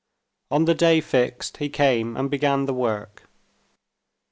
On the day fixed he came and began the work.